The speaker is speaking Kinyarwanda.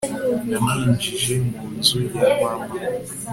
ntamwinjije mu nzu ya mama